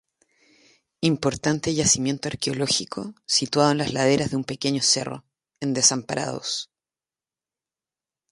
Importante yacimiento arqueológico, situado en las laderas de un pequeño cerro, en Desamparados.